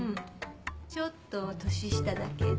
ちょっと年下だけど。